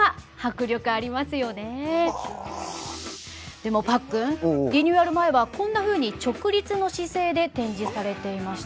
でもパックンリニューアル前はこんなふうに直立の姿勢で展示されていました。